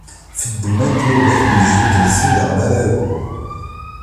Ɣef ddemma n ddnubat n lejdud-nsen daɣen ara rkun.